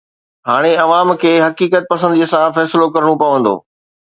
هاڻي عوام کي حقيقت پسنديءَ سان فيصلو ڪرڻو پوندو.